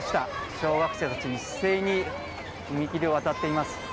小学生たちが一斉に踏切を渡っていきます。